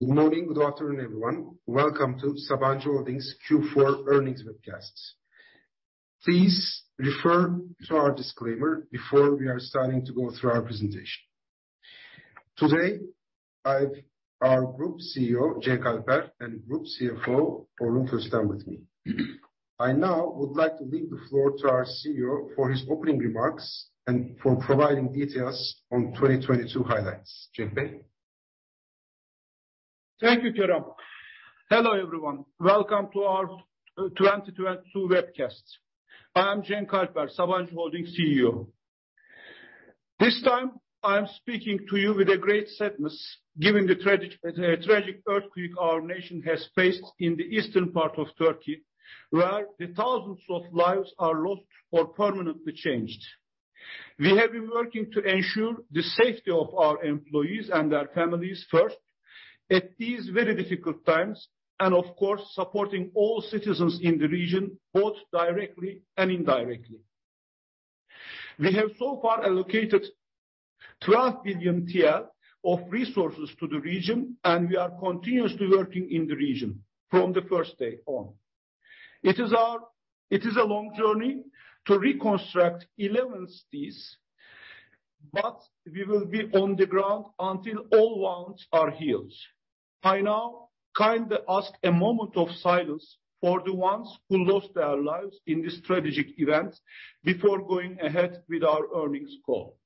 Good morning. Good afternoon, everyone. Welcome to Sabancı Holding Q4 earnings webcasts. Please refer to our disclaimer before we are starting to go through our presentation. Today, I have our Group CEO, Cenk Alper, and Group CFO, Orhun Köstem with me. I now would like to leave the floor to our CEO for his opening remarks and for providing details on 2022 highlights. Cenk Bey. Thank you, Kerem. Hello, everyone. Welcome to our 2022 webcast. I'm Cenk Alper, Sabancı Holding CEO. This time I am speaking to you with a great sadness given the tragic earthquake our nation has faced in the eastern part of Turkey, where thousands of lives are lost or permanently changed. We have been working to ensure the safety of our employees and their families first at these very difficult times, of course, supporting all citizens in the region, both directly and indirectly. We have so far allocated 12 billion TL of resources to the region, we are continuously working in the region from the first day on. It is a long journey to reconstruct 11 cities, we will be on the ground until all wounds are healed. I now kindly ask a moment of silence for the ones who lost their lives in this tragic event before going ahead with our earnings call.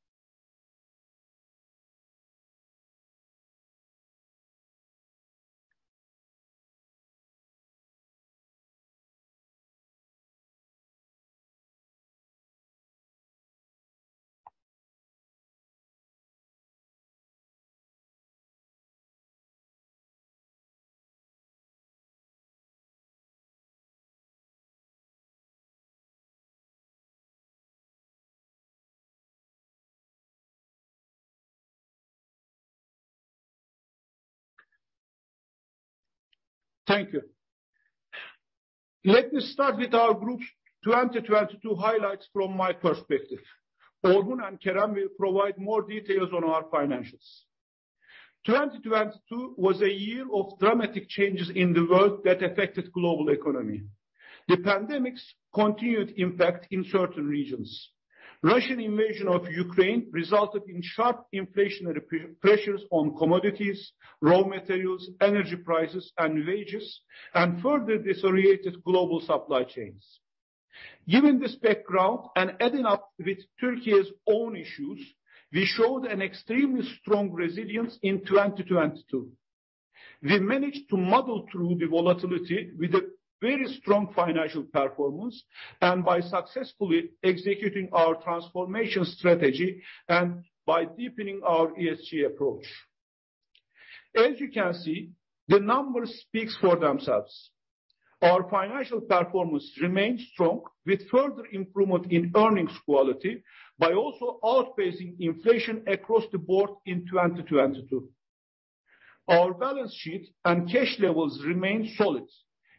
Thank you. Let me start with our group's 2022 highlights from my perspective. Orhun and Kerem will provide more details on our financials. 2022 was a year of dramatic changes in the world that affected global economy. The pandemic's continued impact in certain regions. Russian invasion of Ukraine resulted in sharp inflationary pressures on commodities, raw materials, energy prices, and wages, and further disoriented global supply chains. Given this background and adding up with Turkey's own issues, we showed an extremely strong resilience in 2022. We managed to muddle through the volatility with a very strong financial performance and by successfully executing our transformation strategy and by deepening our ESG approach. As you can see, the numbers speaks for themselves. Our financial performance remains strong, with further improvement in earnings quality by also outpacing inflation across the board in 2022. Our balance sheet and cash levels remain solid,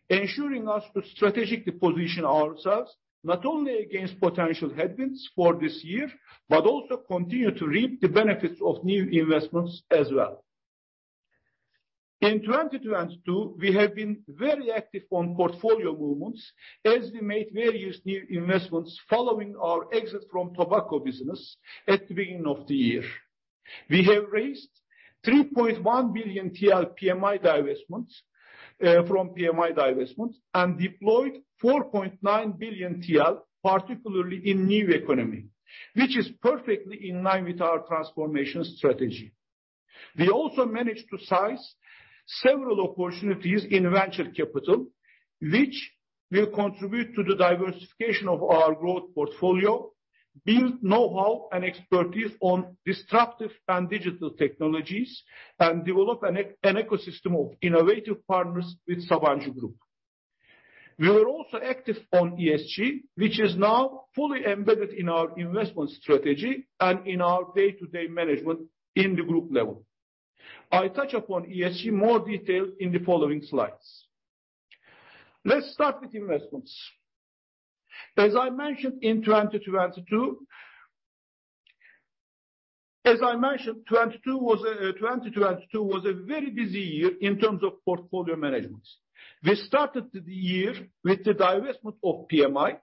ensuring us to strategically position ourselves not only against potential headwinds for this year, but also continue to reap the benefits of new investments as well. In 2022, we have been very active on portfolio movements as we made various new investments following our exit from tobacco business at the beginning of the year. We have raised 3.1 billion TL from PMI divestments, and deployed 4.9 billion TL, particularly in new economy, which is perfectly in line with our transformation strategy. We also managed to size several opportunities in venture capital, which will contribute to the diversification of our growth portfolio, build know-how and expertise on disruptive and digital technologies, and develop an ecosystem of innovative partners with Sabancı Group. We were also active on ESG, which is now fully embedded in our investment strategy and in our day-to-day management in the group level. I touch upon ESG more detail in the following slides. Let's start with investments. As I mentioned, 2022 was a very busy year in terms of portfolio management. We started the year with the divestment of PMI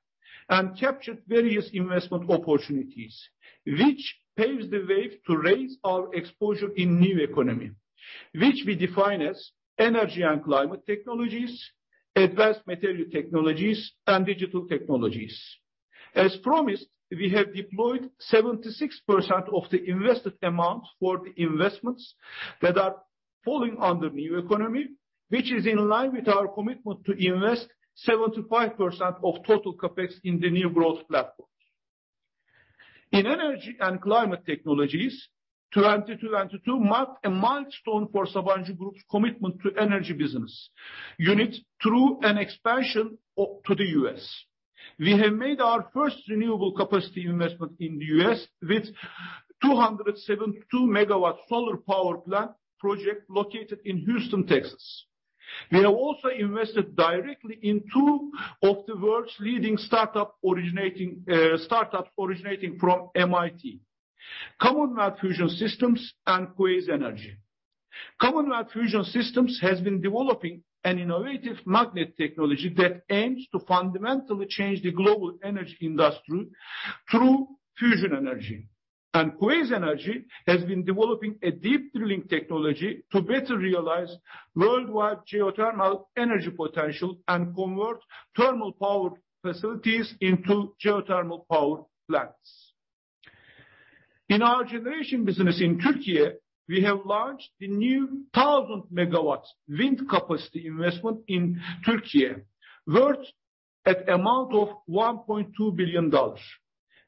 and captured various investment opportunities, which paves the way to raise our exposure in new economy, which we define as energy and climate technologies, advanced material technologies, and digital technologies. As promised, we have deployed 76% of the invested amount for the investments that are falling under new economy, which is in line with our commitment to invest 75% of total CapEx in the new growth platform. In energy and climate technologies, 2022 marked a milestone for Sabancı Group's commitment to energy business. Unit through an expansion to the U.S. We have made our first renewable capacity investment in the U.S. with 272 megawatt solar power plant project located in Houston, Texas. We have also invested directly in two of the world's leading startups originating from MIT. Commonwealth Fusion Systems and Quaise Energy. Commonwealth Fusion Systems has been developing an innovative magnet technology that aims to fundamentally change the global energy industry through fusion energy. Quaise Energy has been developing a deep drilling technology to better realize worldwide geothermal energy potential and convert thermal power facilities into geothermal power plants. In our generation business in Turkey, we have launched the new 1,000 MW wind capacity investment in Turkey, worth at amount of $1.2 billion.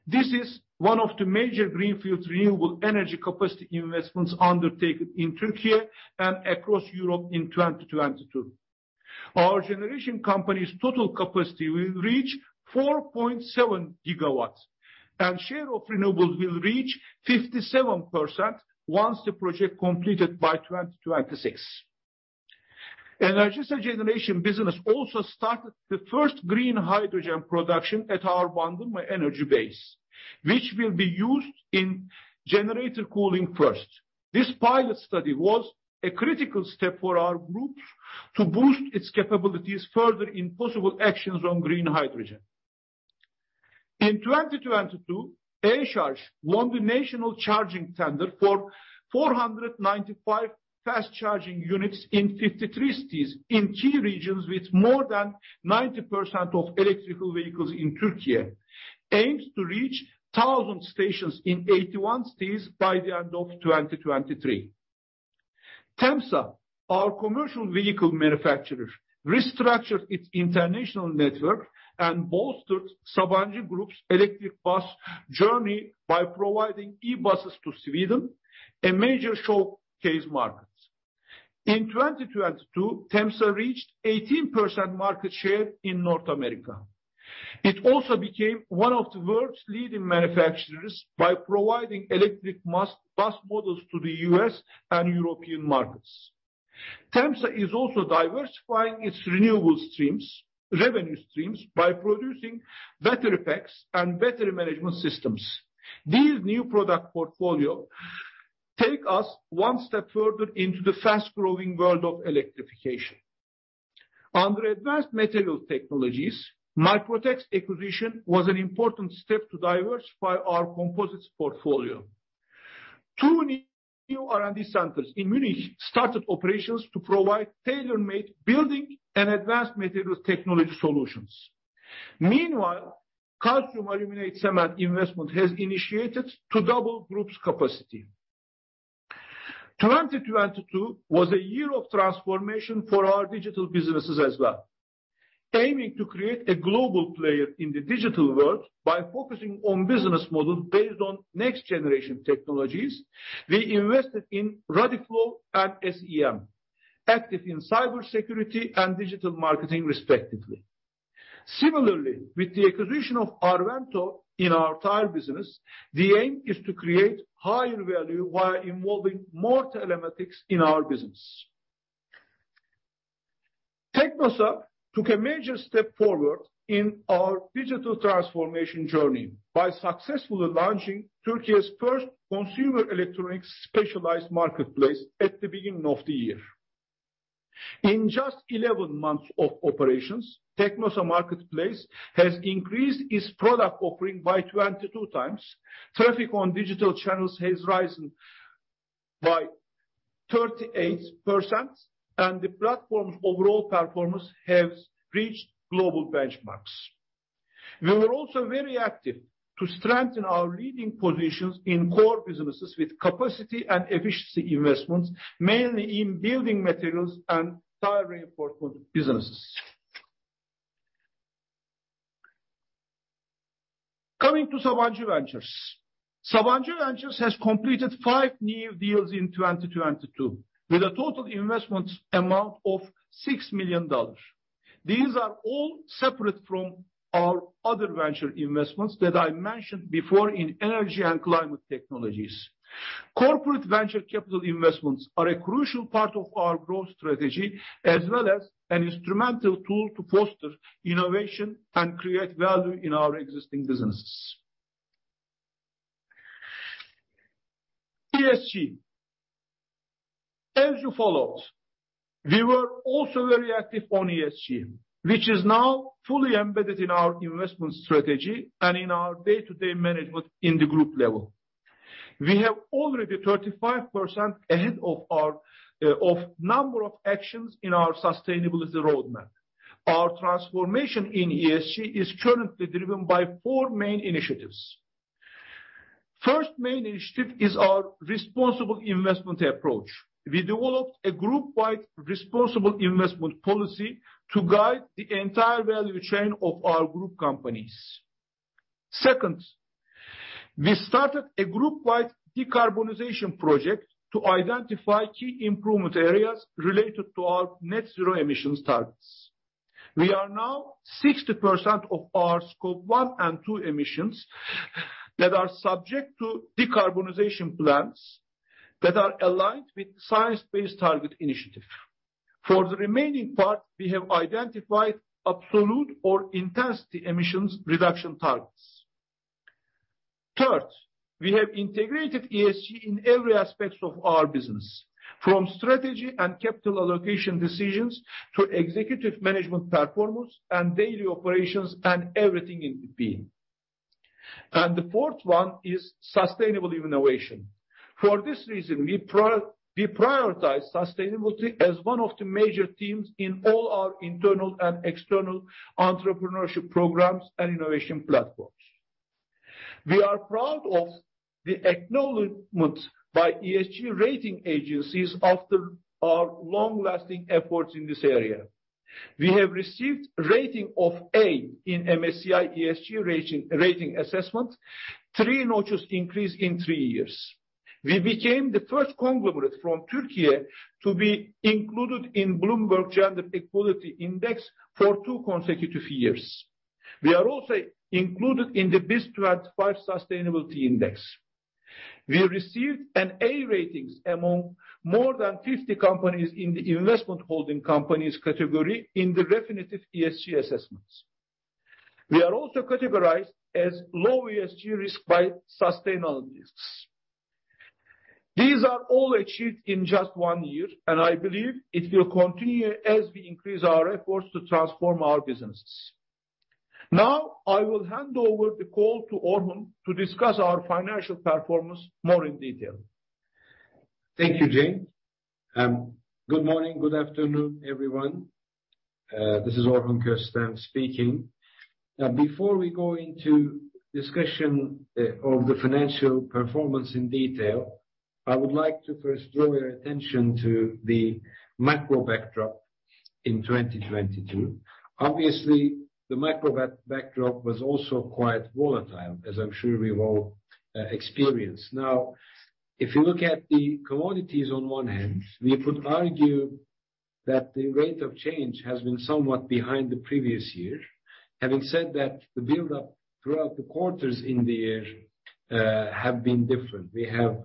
This is one of the major greenfield renewable energy capacity investments undertaken in Turkey and across Europe in 2022. Our generation company's total capacity will reach 4.7 GW, and share of renewables will reach 57% once the project completed by 2026. Enerjisa Üretim business also started the first green hydrogen production at our Bandırma energy base, which will be used in generator cooling first. This pilot study was a critical step for our group to boost its capabilities further in possible actions on green hydrogen. In 2022, Eşarj won the national charging tender for 495 fast-charging units in 53 cities in key regions with more than 90% of electrical vehicles in Turkey. Aims to reach 1,000 stations in 81 cities by the end of 2023. TEMSA, our commercial vehicle manufacturer, restructured its international network and bolstered Sabancı Group's electric bus journey by providing e-buses to Sweden, a major showcase market. In 2022, TEMSA reached 18% market share in North America. It also became one of the world's leading manufacturers by providing electric bus models to the U.S. and European markets. TEMSA is also diversifying its renewable streams, revenue streams by producing battery packs and battery management systems. These new product portfolio take us one step further into the fast-growing world of electrification. Under advanced material technologies, Microtex acquisition was an important step to diversify our composites portfolio. 2 new R&D centers in Munich started operations to provide tailor-made building and advanced material technology solutions. Meanwhile, calcium aluminate cement investment has initiated to double Group's capacity. 2022 was a year of transformation for our digital businesses as well. Aiming to create a global player in the digital world by focusing on business models based on next-generation technologies, we invested in Radiflow and SEM, active in cybersecurity and digital marketing respectively. Similarly, with the acquisition of Arvento in our tire business, the aim is to create higher value while involving more telematics in our business. Teknosa took a major step forward in our digital transformation journey by successfully launching Turkey's first consumer electronics specialized marketplace at the beginning of the year. In just 11 months of operations, Teknosa Marketplace has increased its product offering by 22x. Traffic on digital channels has risen by 38%, and the platform's overall performance has reached global benchmarks. We were also very active to strengthen our leading positions in core businesses with capacity and efficiency investments, mainly in building materials and tire reinforcement businesses. Coming to Sabancı Ventures. Sabancı Ventures has completed five new deals in 2022, with a total investment amount of $6 million. These are all separate from our other venture investments that I mentioned before in energy and climate technologies. Corporate venture capital investments are a crucial part of our growth strategy as well as an instrumental tool to foster innovation and create value in our existing businesses. ESG. As you followed, we were also very active on ESG, which is now fully embedded in our investment strategy and in our day-to-day management in the group level. We have already 35% ahead of our number of actions in our sustainability roadmap. Our transformation in ESG is currently driven by four main initiatives. First main initiative is our responsible investment approach. We developed a group-wide responsible investment policy to guide the entire value chain of our group companies. Second, we started a group-wide decarbonization project to identify key improvement areas related to our net zero emissions targets. We are now 60% of our Scope 1 and 2 emissions that are subject to decarbonization plans that are aligned with Science Based Targets initiative. For the remaining part, we have identified absolute or intensity emissions reduction targets. Third, we have integrated ESG in every aspects of our business, from strategy and capital allocation decisions to executive management performance and daily operations and everything in between. The fourth one is sustainable innovation. For this reason, we prioritize sustainability as one of the major themes in all our internal and external entrepreneurship programs and innovation platforms. We are proud of the acknowledgment by ESG rating agencies after our long-lasting efforts in this area. We have received rating of A in MSCI ESG rating assessment, three notches increase in three years. We became the first conglomerate from Turkey to be included in Bloomberg Gender-Equality Index for two consecutive years. We are also included in the BIST 25 Sustainability Index. We received an A ratings among more than 50 companies in the investment holding companies category in the Refinitiv ESG assessments. We are also categorized as low ESG risk by Sustainalytics. These are all achieved in just one year. I believe it will continue as we increase our efforts to transform our businesses. I will hand over the call to Orhun to discuss our financial performance more in detail. Thank you, Cenk. Good morning, good afternoon, everyone. This is Orhun Köstem speaking. Before we go into discussion of the financial performance in detail, I would like to first draw your attention to the macro backdrop in 2022. Obviously, the macro back-backdrop was also quite volatile, as I'm sure we've all experienced. If you look at the commodities on one hand, we could argue that the rate of change has been somewhat behind the previous year. Having said that, the buildup throughout the quarters in the year have been different. We have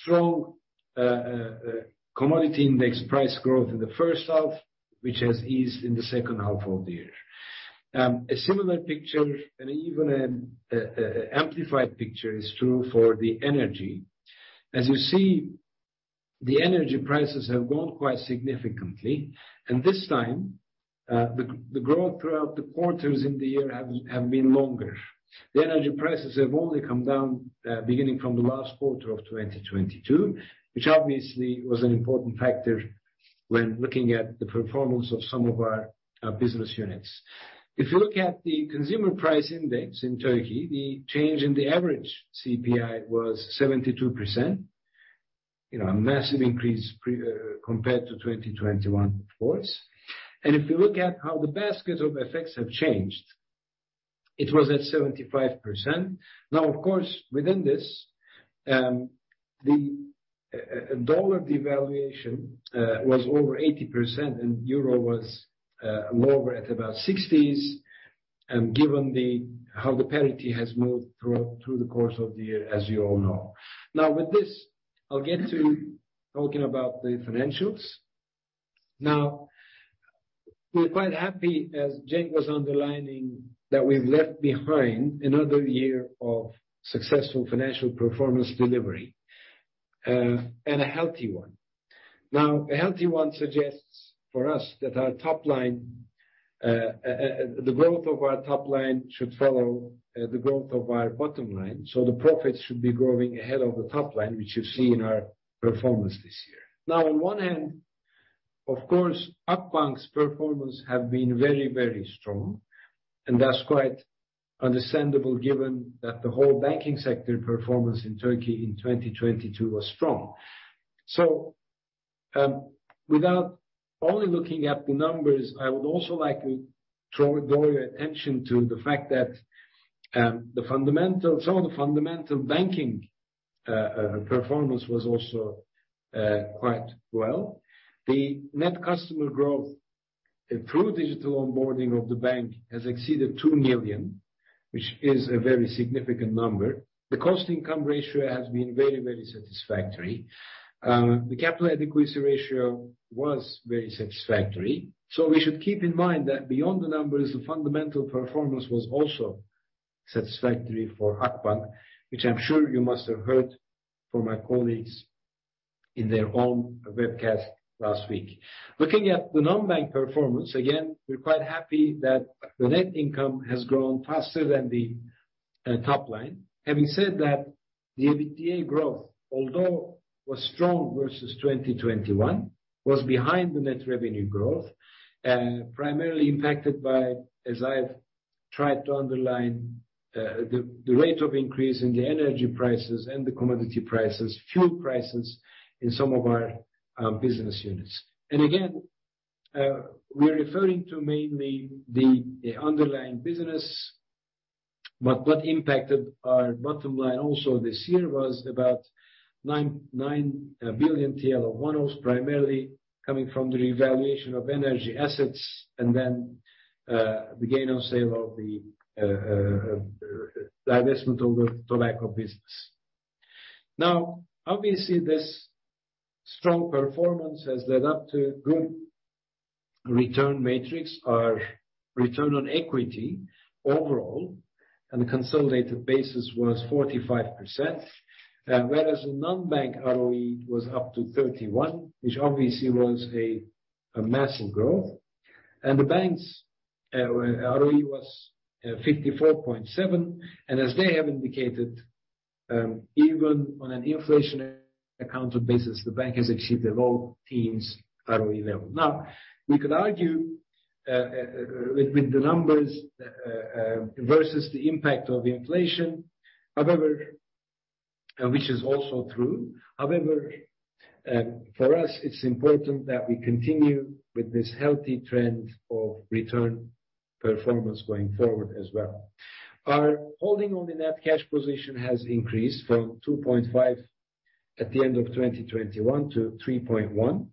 strong commodity index price growth in the first half, which has eased in the second half of the year. A similar picture and even an amplified picture is true for the energy. As you see, the energy prices have grown quite significantly, and this time, the growth throughout the quarters in the year have been longer. The energy prices have only come down, beginning from the last quarter of 2022, which obviously was an important factor when looking at the performance of some of our business units. If you look at the consumer price index in Turkey, the change in the average CPI was 72%, you know, a massive increase compared to 2021, of course. If you look at how the basket of effects have changed, it was at 75%. Of course, within this, the dollar devaluation was over 80% and euro was lower at about 60s, given how the parity has moved throughout, through the course of the year, as you all know. With this, I'll get to talking about the financials. We're quite happy, as Cenk was underlining, that we've left behind another year of successful financial performance delivery, and a healthy one. A healthy one suggests for us that our top line, the growth of our top line should follow the growth of our bottom line. The profits should be growing ahead of the top line, which you see in our performance this year. On one hand, of course, Akbank's performance have been very, very strong, and that's quite understandable given that the whole banking sector performance in Turkey in 2022 was strong. Without only looking at the numbers, I would also like to draw your attention to the fact that the fundamental, some of the fundamental banking performance was also quite well. The net customer growth through digital onboarding of the bank has exceeded 2 million, which is a very significant number. The cost-to-income ratio has been very, very satisfactory. The capital adequacy ratio was very satisfactory. We should keep in mind that beyond the numbers, the fundamental performance was also satisfactory for Akbank, which I'm sure you must have heard from my colleagues in their own webcast last week. Looking at the non-bank performance, again, we're quite happy that the net income has grown faster than the top line. Having said that, the EBITDA growth, although was strong versus 2021, was behind the net revenue growth, primarily impacted by, as I've tried to underline, the rate of increase in the energy prices and the commodity prices, fuel prices in some of our business units. Again, we're referring to mainly the underlying business. What impacted our bottom line also this year was about 9 billion TL of one-offs, primarily coming from the revaluation of energy assets and then, the gain on sale of the divestment of the tobacco business. Obviously, this strong performance has led up to good return matrix. Our return on equity overall on a consolidated basis was 45%, whereas the non-bank ROE was up to 31, which obviously was a massive growth. The bank's ROE was 54.7. As they have indicated, even on an inflation accounted basis, the bank has achieved a low teens ROE level. Now, we could argue with the numbers versus the impact of inflation. Which is also true. However, for us, it's important that we continue with this healthy trend of return performance going forward as well. Our holding on the net cash position has increased from 2.5 at the end of 2021 to 3.1.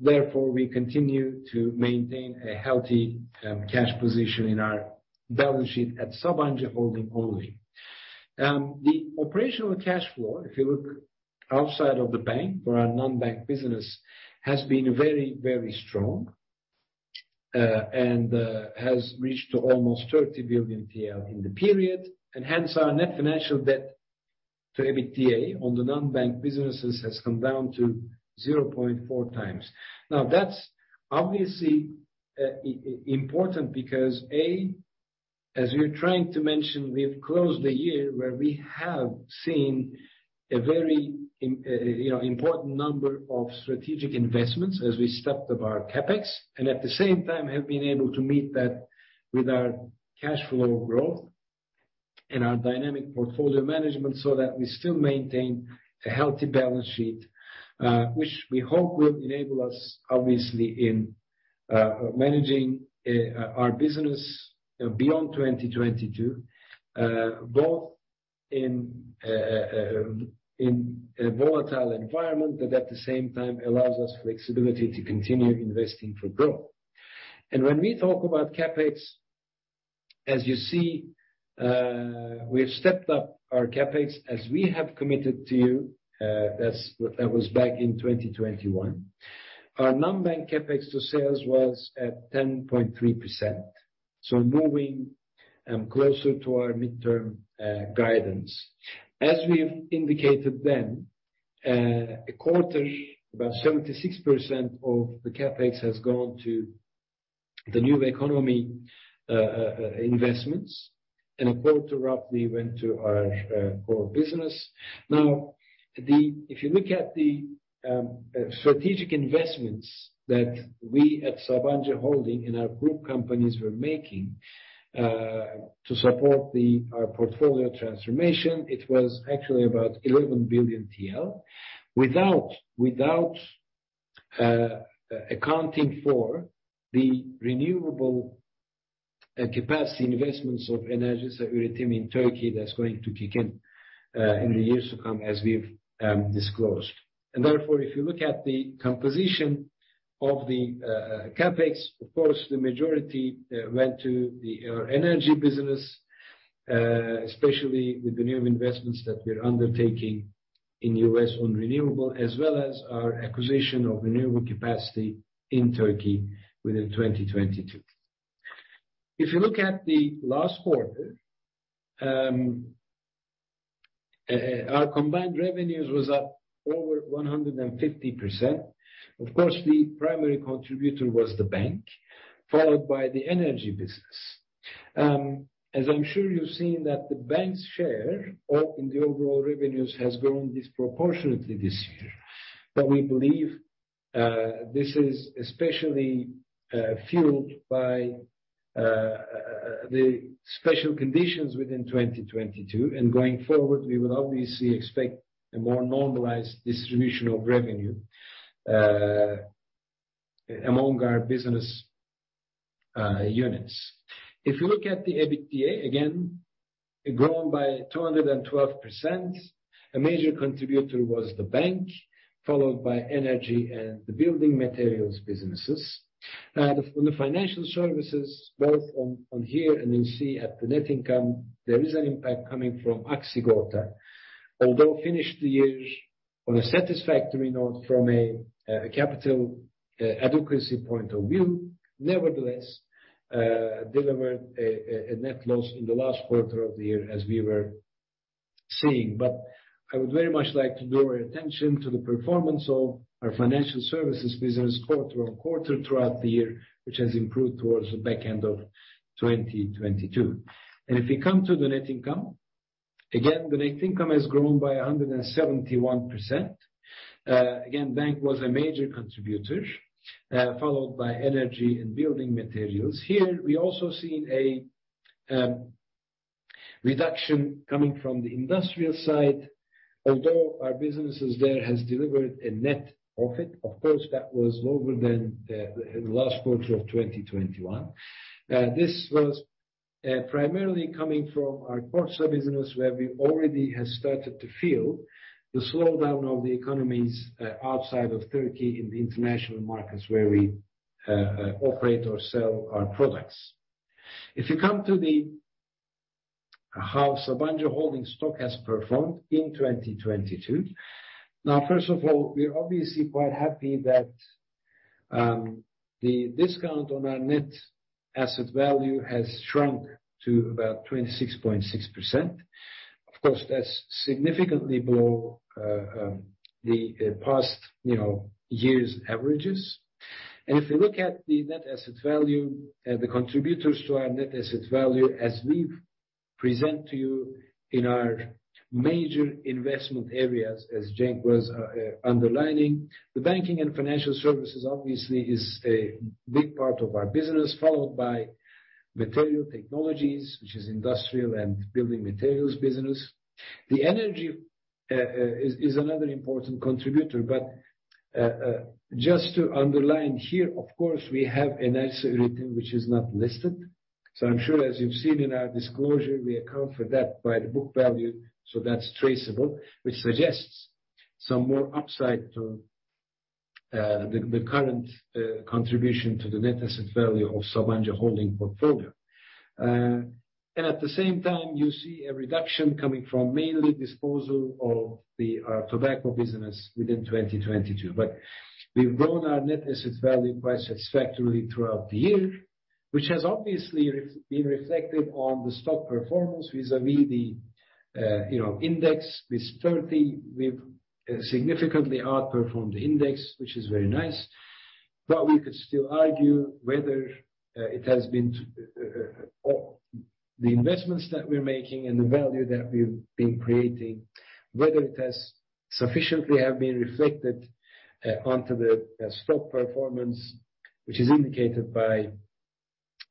Therefore, we continue to maintain a healthy cash position in our balance sheet at Sabancı Holding only. The operational cash flow, if you look outside of the bank for our non-bank business, has been very, very strong, and has reached to almost 30 billion TL in the period. Hence our net financial debt to EBITDA on the non-bank businesses has come down to 0.4x. That's obviously important because, A, as we're trying to mention, we've closed the year where we have seen a very, you know, important number of strategic investments as we stepped up our CapEx, and at the same time have been able to meet that with our cash flow growth and our dynamic portfolio management so that we still maintain a healthy balance sheet, which we hope will enable us, obviously, in managing our business beyond 2022, both in a volatile environment, but at the same time allows us flexibility to continue investing for growth. When we talk about CapEx, as you see, we have stepped up our CapEx as we have committed to you, that was back in 2021. Our non-bank CapEx to sales was at 10.3%, moving closer to our midterm guidance. As we have indicated then, a quarter, about 76% of the CapEx has gone to the new economy investments, and a quarter roughly went to our core business. If you look at the strategic investments that we at Sabancı Holding in our group companies were making to support our portfolio transformation, it was actually about 11 billion TL. Without accounting for the renewable capacity investments of Enerjisa Üretim in Turkey, that's going to kick in in the years to come, as we've disclosed. If you look at the composition of the CapEx, of course, the majority went to our energy business, especially with the new investments that we're undertaking in U.S. on renewable, as well as our acquisition of renewable capacity in Turkey within 2022. If you look at the last quarter, our combined revenues was up over 150%. Of course, the primary contributor was the bank, followed by the energy business. As I'm sure you've seen that the bank's share in the overall revenues has grown disproportionately this year. We believe this is especially fueled by the special conditions within 2022. Going forward, we will obviously expect a more normalized distribution of revenue among our business units. If you look at the EBITDA, again, it grown by 212%. A major contributor was the bank, followed by energy and the building materials businesses. The financial services, both on here and you'll see at the net income, there is an impact coming from Aksigorta. Although finished the year on a satisfactory note from a capital adequacy point of view, nevertheless, delivered a net loss in the last quarter of the year as we were seeing. I would very much like to draw your attention to the performance of our financial services business quarter-on-quarter throughout the year, which has improved towards the back end of 2022. If we come to the net income, again, the net income has grown by 171%. Again, bank was a major contributor, followed by energy and building materials. Here, we also seen a reduction coming from the industrial side. Although our businesses there has delivered a net profit, of course, that was lower than the last quarter of 2021. This was primarily coming from our Kordsa business where we already have started to feel the slowdown of the economies outside of Turkey in the international markets where we operate or sell our products. First of all, we're obviously quite happy that the discount on our net asset value has shrunk to about 26.6%. Of course, that's significantly below the past, you know, years' averages. If you look at the net asset value, the contributors to our net asset value as we've present to you in our major investment areas, as Cenk was underlining. The banking and financial services obviously is a big part of our business, followed by material technologies, which is industrial and building materials business. The energy is another important contributor. Just to underline here, of course, we have an asset written which is not listed. I'm sure as you've seen in our disclosure, we account for that by the book value, so that's traceable, which suggests some more upside to the current contribution to the net asset value of Sabancı Holding portfolio. At the same time, you see a reduction coming from mainly disposal of the tobacco business within 2022. We've grown our net asset value quite satisfactorily throughout the year, which has obviously been reflected on the stock performance vis-à-vis the, you know, index. Turkey, we've significantly outperformed the index, which is very nice. We could still argue whether it has been The investments that we're making and the value that we've been creating, whether it has sufficiently have been reflected onto the stock performance, which is indicated by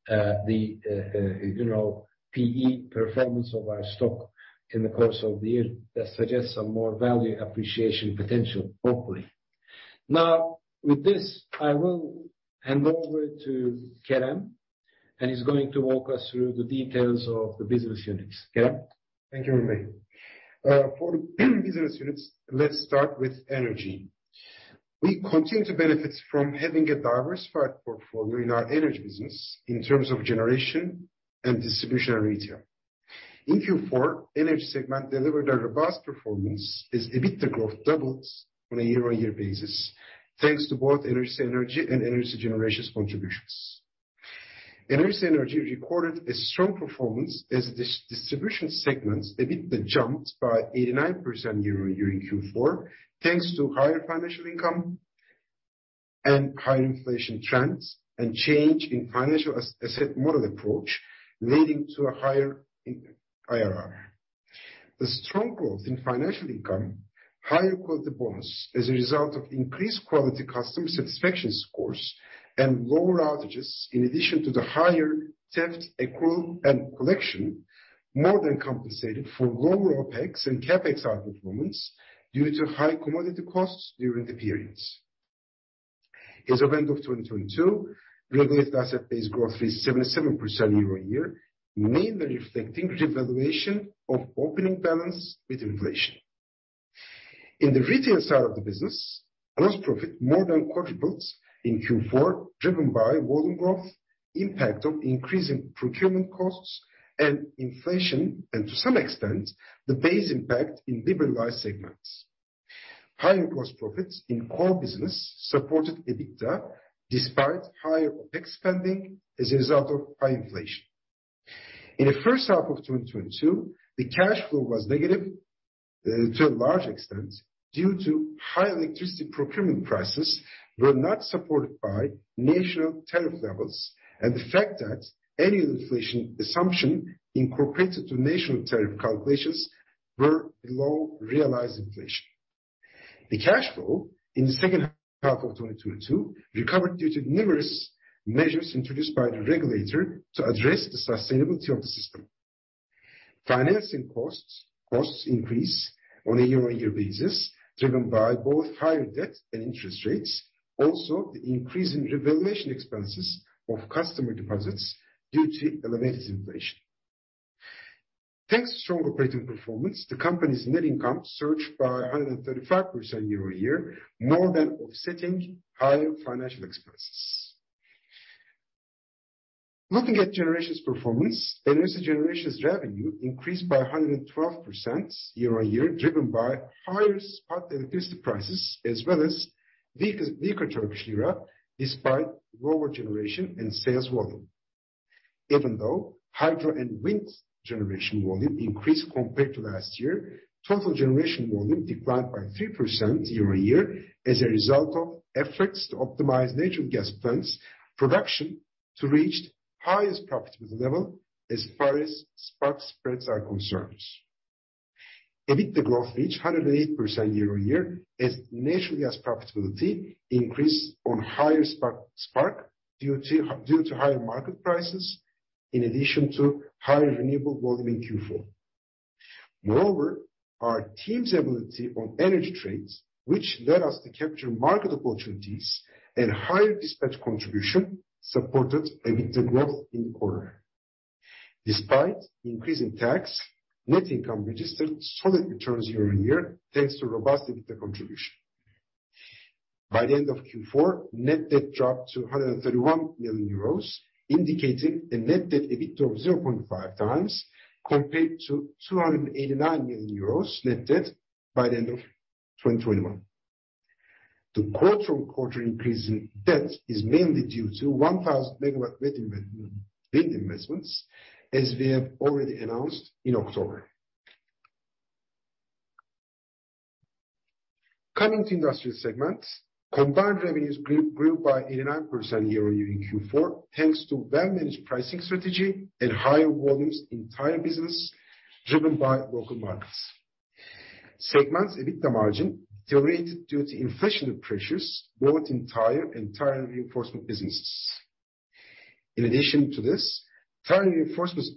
the, you know, PE performance of our stock in the course of the year. That suggests some more value appreciation potential, hopefully. With this, I will hand over to Kerem, and he's going to walk us through the details of the business units. Kerem? Thank you, Orhun Bey. For business units, let's start with energy. We continue to benefit from having a diversified portfolio in our energy business in terms of generation and distribution and retail. In Q4, energy segment delivered a robust performance as EBITDA growth doubled on a year-on-year basis, thanks to both Enerjisa Enerji and Enerjisa Üretim contributions. Enerjisa Enerji recorded a strong performance as distribution segments EBITDA jumped by 89% year-on-year in Q4, thanks to higher financial income and higher inflation trends and change in financial asset model approach, leading to a higher IRR. The strong growth in financial income, higher quality bonus as a result of increased quality customer satisfaction scores and lower outages, in addition to the higher theft accrual and collection, more than compensated for lower OpEx and CapEx outperformance due to high commodity costs during the periods. As of end of 2022, regulated asset base growth is 77% year-on-year, mainly reflecting revaluation of opening balance with inflation. In the retail side of the business, gross profit more than quadruples in Q4, driven by volume growth, impact of increasing procurement costs and inflation, and to some extent, the base impact in liberalized segments. Higher gross profits in core business supported EBITDA despite higher OpEx spending as a result of high inflation. In the first half of 2022, the cash flow was negative, to a large extent due to high electricity procurement prices were not supported by national tariff levels and the fact that annual inflation assumption incorporated to national tariff calculations were below realized inflation. The cash flow in the second half of 2022 recovered due to numerous measures introduced by the regulator to address the sustainability of the system. Financing costs increase on a year-on-year basis driven by both higher debt and interest rates, also the increase in revaluation expenses of customer deposits due to elevated inflation. Thanks to strong operating performance, the company's net income surged by 135% year-on-year, more than offsetting higher financial expenses. Looking at generations performance, Enerjisa Üretim revenue increased by 112% year-on-year, driven by higher spot electricity prices as well as weaker Turkish lira despite lower generation and sales volume. Even though hydro and wind generation volume increased compared to last year, total generation volume declined by 3% year-on-year as a result of efforts to optimize natural gas plants' production to reach highest profitability level as far as spot spreads are concerned. EBITDA growth reached 108% year-on-year, as naturally as profitability increased on higher spark due to higher market prices in addition to higher renewable volume in Q4. Moreover, our team's ability on energy trades, which led us to capture market opportunities and higher dispatch contribution, supported EBITDA growth in the quarter. Despite increase in tax, net income registered solid returns year-on-year, thanks to robust EBITDA contribution. By the end of Q4, net debt dropped to 131 million euros, indicating a net debt EBITDA of 0.5x compared to 289 million euros net debt by the end of 2021. The quarter-on-quarter increase in debt is mainly due to 1,000 megawatt wind investments, as we have already announced in October. Coming to industrial segments, combined revenues grew by 89% year-on-year in Q4, thanks to well-managed pricing strategy and higher volumes in tire business driven by local markets. Segments EBITDA margin deteriorated due to inflationary pressures both in tire and tire reinforcement businesses. In addition to this, tire reinforcements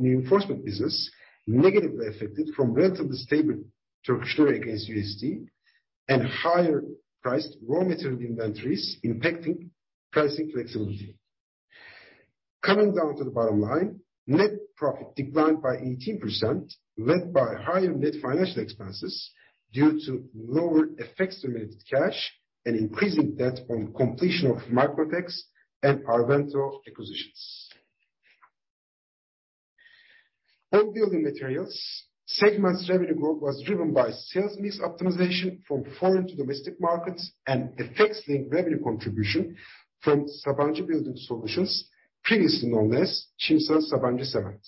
reinforcement business negatively affected from relatively stable Turkish lira against USD and higher priced raw material inventories impacting pricing flexibility. Coming down to the bottom line, net profit declined by 18% led by higher net financial expenses due to lower FX limited cash and increasing debt on completion of Microtex and Arvento acquisitions. All building materials, segments revenue growth was driven by sales mix optimization from foreign to domestic markets and FX linked revenue contribution from Sabancı Building Solutions, previously known as Cimsa Sabancı Cement.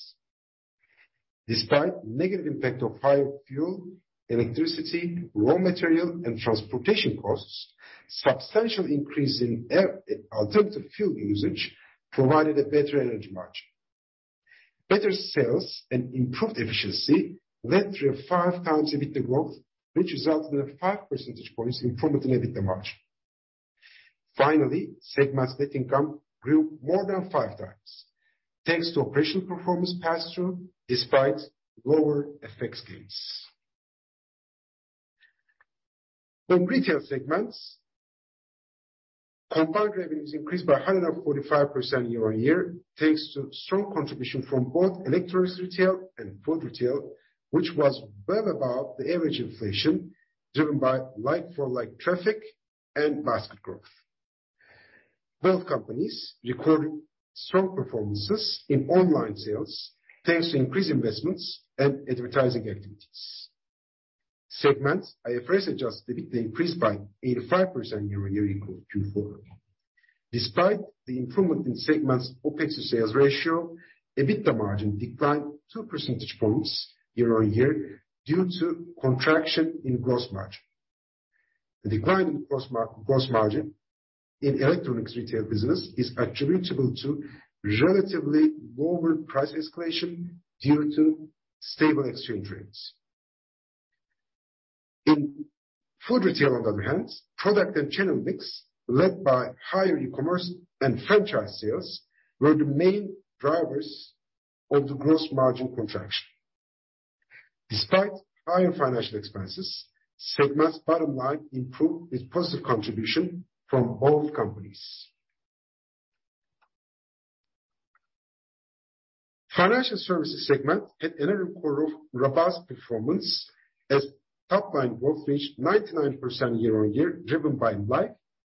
Despite negative impact of higher fuel, electricity, raw material, and transportation costs, substantial increase in air alternative fuel usage provided a better energy margin. Better sales and improved efficiency led to a 5x EBITDA growth, which resulted in a 5 percentage points improvement in EBITDA margin. Finally, segment's net income grew more than 5x, thanks to operational performance pass-through despite lower FX gains. From retail segments, combined revenues increased by 145% year-on-year, thanks to strong contribution from both electronics retail and food retail, which was well above the average inflation driven by like-for-like traffic and basket growth. Both companies recorded strong performances in online sales, thanks to increased investments and advertising activities. Segments IFRS adjusted EBITDA increased by 85% year-on-year in Q4. Despite the improvement in segments' OpEx sales ratio, EBITDA margin declined 2 percentage points year-on-year due to contraction in gross margin. The decline in gross margin in electronics retail business is attributable to relatively lower price escalation due to stable exchange rates. In food retail on other hand, product and channel mix led by higher e-commerce and franchise sales were the main drivers of the gross margin contraction. Despite higher financial expenses, segment's bottom line improved with positive contribution from both companies. Financial services segment had another quarter of robust performance as top line growth reached 99% year on year driven by life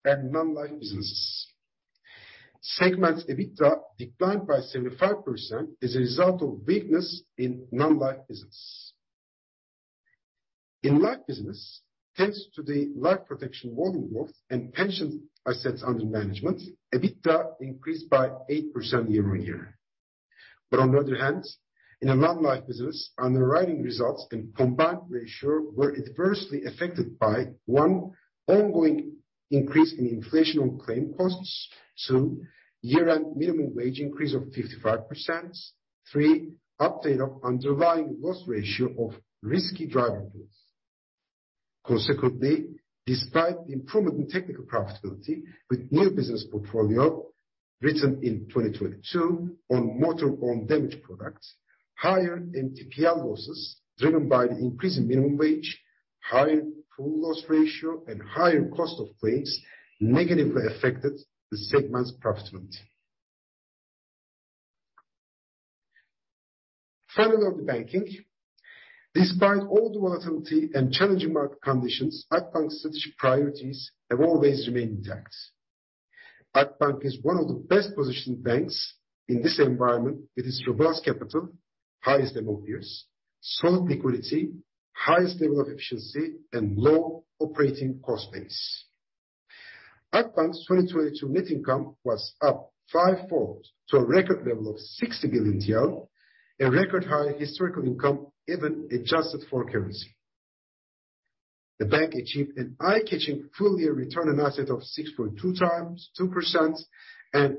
and non-life businesses. Segments EBITDA declined by 75% as a result of weakness in non-life business. In life business, thanks to the life protection volume growth and pension assets under management, EBITDA increased by 8% year on year. On the other hand, in a non-life business, underwriting results and combined ratio were adversely affected by, one, ongoing increase in inflation on claim costs, two, year-end minimum wage increase of 55%, three, update of underlying loss ratio of risky driver pools. Consequently, despite the improvement in technical profitability with new business portfolio written in 2022 on motor-owned damage products, higher MTPL losses driven by the increase in minimum wage, higher pool loss ratio, and higher cost of claims negatively affected the segment's profitability. On the banking, despite all the volatility and challenging market conditions, Akbank's strategic priorities have always remained intact. Akbank is one of the best positioned banks in this environment with its robust capital, highest MoPS, strong liquidity, highest level of efficiency, and low operating cost base. Akbank's 2022 net income was up 5-fold to a record level of 60 billion TL, a record high historical income even adjusted for currency. The bank achieved an eye-catching full year return on asset of 6.2x, 2%, and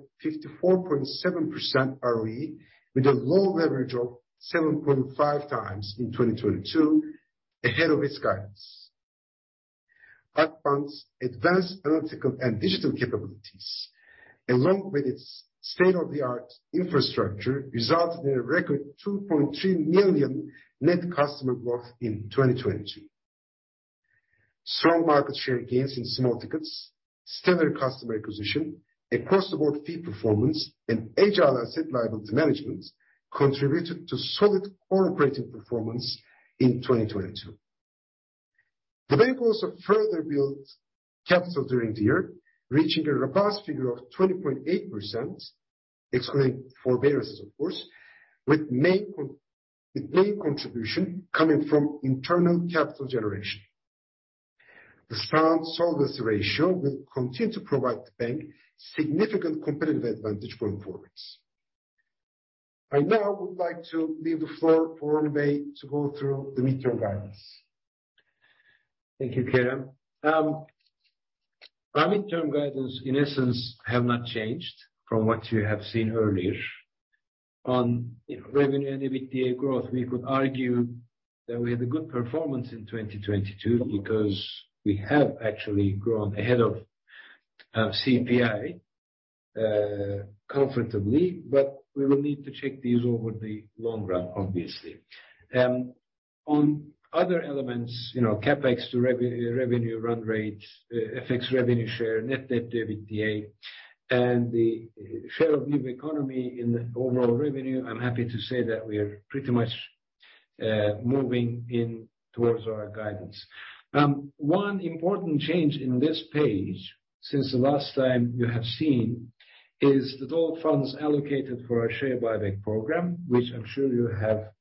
54.7% ROE, with a low leverage of 7.5x in 2022, ahead of its guidance. Akbank's advanced analytical and digital capabilities, along with its state-of-the-art infrastructure, resulted in a record 2.3 million net customer growth in 2022. Strong market share gains in small tickets, stellar customer acquisition, across the board fee performance, and agile asset liability management contributed to solid core credit performance in 2022. The bank also further built capital during the year, reaching a robust figure of 20.8%, excluding forbearances of course, with main contribution coming from internal capital generation. The strong solvency ratio will continue to provide the bank significant competitive advantage going forwards. I now would like to leave the floor for Orhun Bey to go through the midterm guidance. Thank you, Kerem. Our midterm guidance, in essence, have not changed from what you have seen earlier. On revenue and EBITDA growth, we could argue that we had a good performance in 2022 because we have actually grown ahead of CPI comfortably. We will need to check these over the long run, obviously. On other elements, CapEx to revenue run rates, affects revenue share, net debt to EBITDA, and the share of new economy in the overall revenue, I'm happy to say that we are pretty much moving in towards our guidance. One important change in this page since the last time you have seen is the total funds allocated for our share buyback program, which I'm sure you have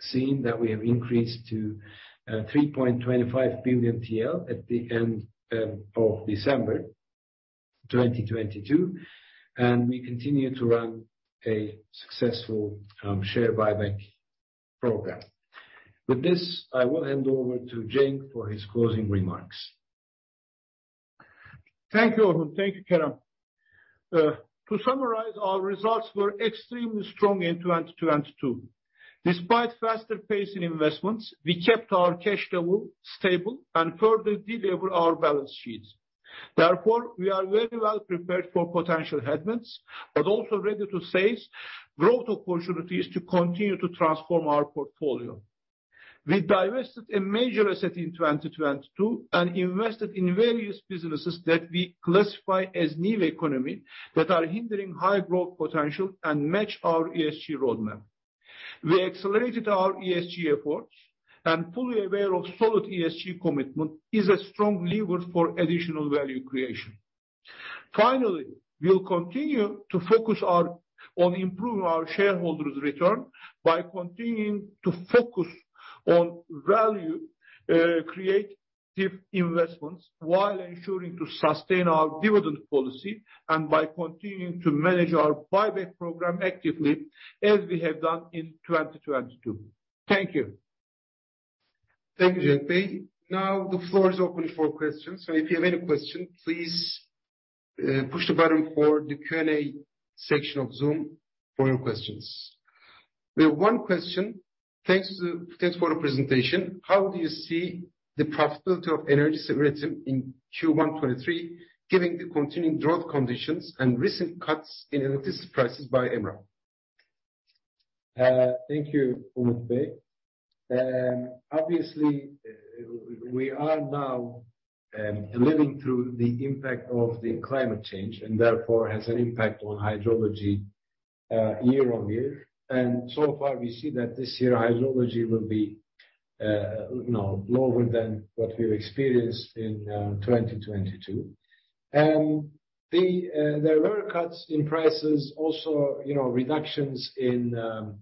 seen that we have increased to 3.25 billion TL at the end of December 2022. We continue to run a successful share buyback program. With this, I will hand over to Cenk for his closing remarks. Thank you, Orhun. Thank you, Kerem. To summarize, our results were extremely strong in 2022. Despite faster pace in investments, we kept our cash level stable and further delever our balance sheets. Therefore, we are very well prepared for potential headwinds, but also ready to seize growth opportunities to continue to transform our portfolio. We divested a major asset in 2022 and invested in various businesses that we classify as new economy that are hindering high growth potential and match our ESG roadmap. We accelerated our ESG efforts and fully aware of solid ESG commitment is a strong lever for additional value creation. Finally, we'll continue to focus on improving our shareholders' return by continuing to focus on value creative investments while ensuring to sustain our dividend policy and by continuing to manage our buyback program actively as we have done in 2022. Thank you. Thank you, Cenk Bey. Now the floor is open for questions. If you have any questions, please push the button for the Q&A section of Zoom for your questions. We have 1 question. Thanks for the presentation. How do you see the profitability of Enerjisa Üretim in Q1 2023, given the continuing drought conditions and recent cuts in electricity prices by EMRA? Thank you, Kerem Bey. Obviously, we are now living through the impact of the climate change and therefore has an impact on hydrology year-on-year. So far, we see that this year hydrology will be, you know, lower than what we've experienced in 2022. The there were cuts in prices, also, you know, reductions in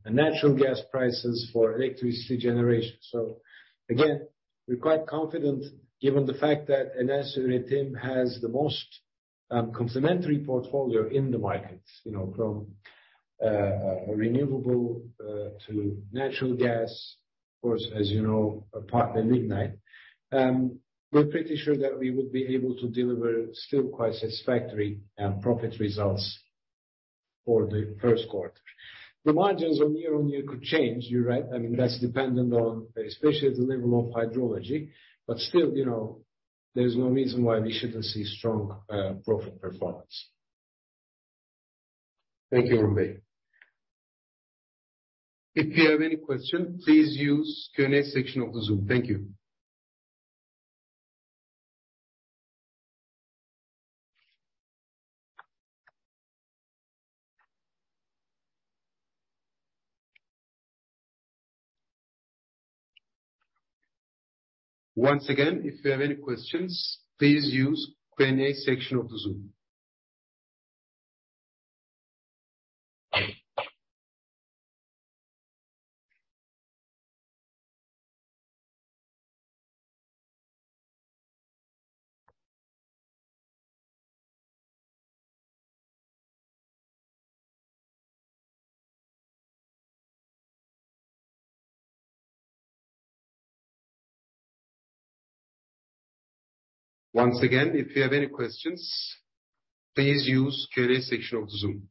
natural gas prices for electricity generation. Again, we're quite confident given the fact that Enerjisa Üretim has the most complementary portfolio in the market, you know, from renewable to natural gas, of course, as you know, apart the lignite. We're pretty sure that we would be able to deliver still quite satisfactory profit results for the first quarter. The margins on year-on-year could change, you're right. I mean, that's dependent on especially the level of hydrology. Still, you know, there's no reason why we shouldn't see strong profit performance. Thank you, Orhun Bey. If you have any question, please use Q&A section of the Zoom. Thank you. Once again, if you have any questions, please use Q&A section of the Zoom. Once again, if you have any questions, please use Q&A section of the Zoom.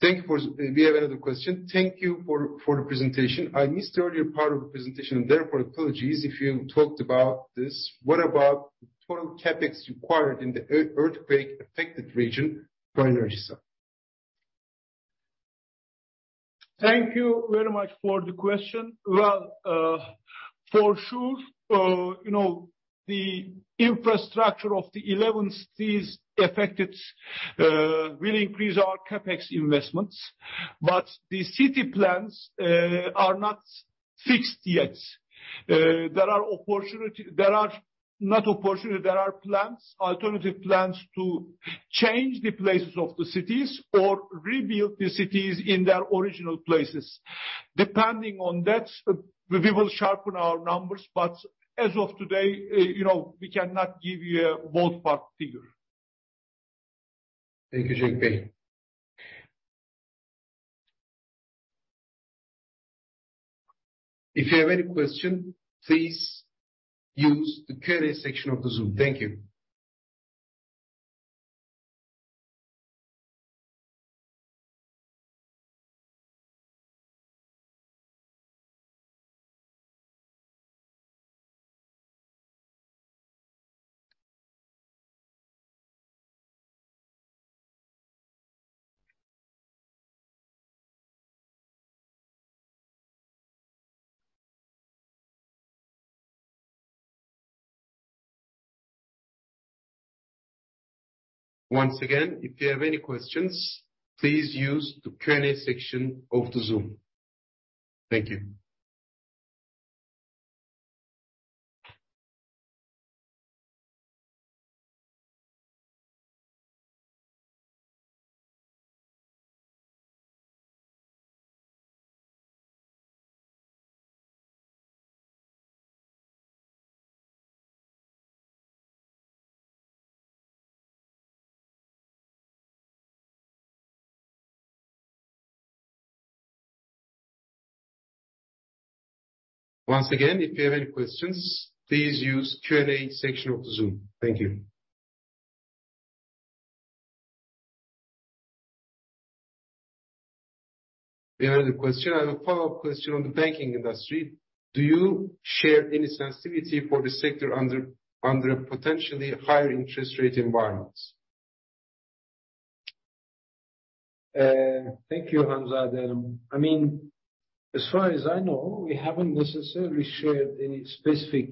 We have another question. Thank you for the presentation. I missed the earlier part of the presentation. Therefore apologies if you talked about this. What about total CapEx required in the earthquake affected region by Enerjisa? Thank you very much for the question. Well, you know, the infrastructure of the 11 cities affected, will increase our CapEx investments. The city plans are not fixed yet. There are plans, alternative plans to change the places of the cities or rebuild the cities in their original places. Depending on that, we will sharpen our numbers. As of today, you know, we cannot give you a ballpark figure. Thank you, Cenk Bey. If you have any question, please use the Q&A section of the Zoom. Thank you. Once again, if you have any questions, please use the Q&A section of the Zoom. Thank you. We have a question. I have a follow-up question on the banking industry. Do you share any sensitivity for the sector under a potentially higher interest rate environments? Thank you, Kerem. I mean, as far as I know, we haven't necessarily shared any specific,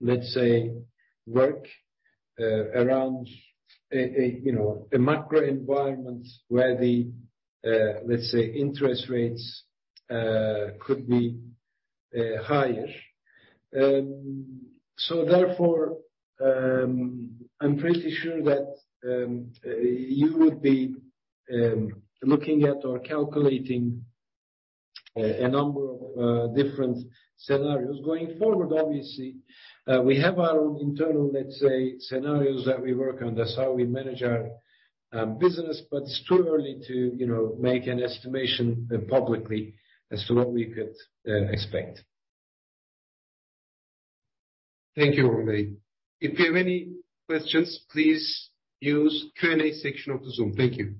let's say, work, around a, you know, a macro environment where the, let's say, interest rates, could be, higher. Therefore, I'm pretty sure that, you would be, looking at or calculating a number of different scenarios. Going forward, obviously, we have our own internal, let's say, scenarios that we work on. That's how we manage our business. It's too early to, you know, make an estimation, publicly as to what we could expect. Thank you, Orhun Bey. If you have any questions, please use Q&A section of the Zoom. Thank you.